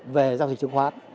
về giao dịch chứng khoán